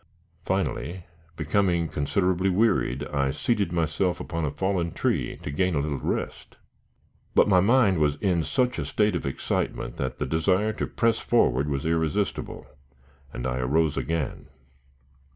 Finally, becoming considerably wearied, I seated myself upon a fallen tree, to gain a little rest; but my mind was in such a state of excitement that the desire to press forward was irresistible, and I arose again.